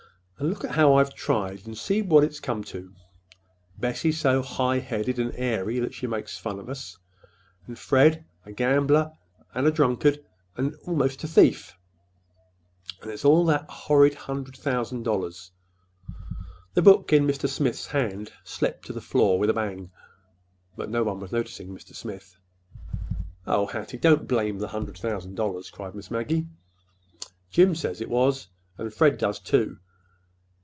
"And look at how I've tried and see what it has come to—Bessie so high headed and airy she makes fun of us, and Fred a gambler and a drunkard, and 'most a thief. And it's all that horrid hundred thousand dollars!" The book in Mr. Smith's hand slipped to the floor with a bang; but no one was noticing Mr. Smith. "Oh, Hattie, don't blame the hundred thousand dollars," cried Miss Maggie. "Jim says it was, and Fred does, too.